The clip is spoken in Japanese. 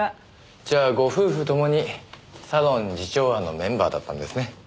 じゃあご夫婦ともにサロン慈朝庵のメンバーだったんですね。